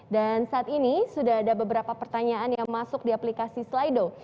dan saat ini sudah ada beberapa pertanyaan yang masuk di aplikasi slido